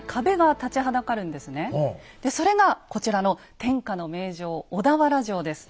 でそれがこちらの天下の名城小田原城です。